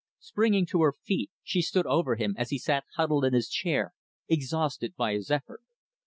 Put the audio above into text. Springing to her feet, she stood over him as he sat huddled in his chair, exhausted by his effort.